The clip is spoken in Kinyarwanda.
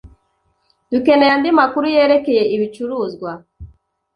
Dukeneye andi makuru yerekeye ibicuruzwa.